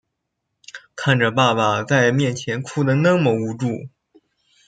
看着爸爸在面前哭的那么无助